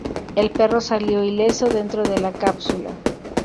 El perro salió ileso dentro de la cápsula.